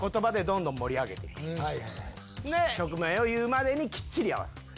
曲名を言うまでにきっちり合わせる。